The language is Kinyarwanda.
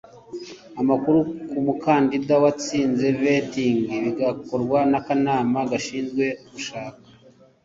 amakuru ku mukandida watsinze vetting bigakorwa n akanama gashinzwe gushaka